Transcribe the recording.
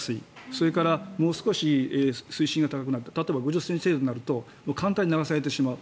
それからもう少し水深が高くなると例えば５０ｃｍ程度になると簡単に流されてしまう。